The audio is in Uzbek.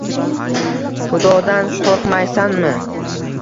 Hudodan qo'rqmaysanmi?